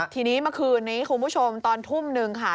ทีนี้เมื่อคืนนี้คุณผู้ชมตอนทุ่มนึงค่ะ